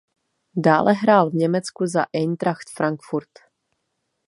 Dále hrál v Německu za Eintracht Frankfurt.